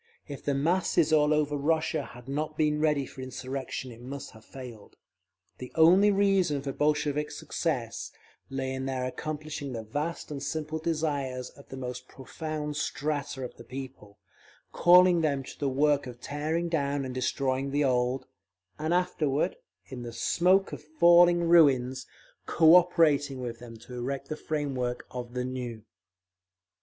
If the masses all over Russia had not been ready for insurrection it must have failed. The only reason for Bolshevik success lay in their accomplishing the vast and simple desires of the most profound strata of the people, calling them to the work of tearing down and destroying the old, and afterward, in the smoke of falling ruins, cooperating with them to erect the frame work of the new….